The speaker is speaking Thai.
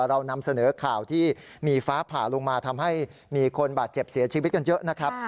เรานำเสนอข่าวที่มีฟ้าผ่าลงมาทำให้มีคนบาดเจ็บเสียชีวิตกันเยอะนะครับ